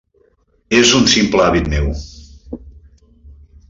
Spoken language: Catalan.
És un simple hàbit meu.